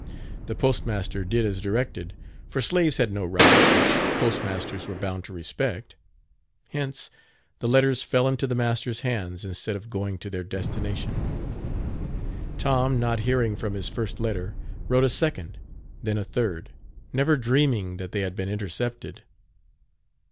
The postmaster did as directed, for slaves had no rights which postmasters were bound to respect; hence, the letters fell into the master's hands instead of going to their destination. Tom, not hearing from his first letter, wrote a second, then a third, never dreaming that they had been intercepted.